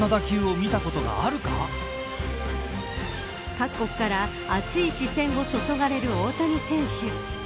各国から熱い視線を注がれる大谷選手。